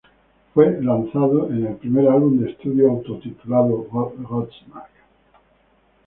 Fue lanzado en el primer álbum de estudio autotitulado Godsmack.